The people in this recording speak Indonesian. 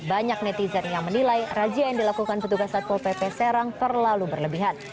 banyak netizen yang menilai razia yang dilakukan petugas satpol pp serang terlalu berlebihan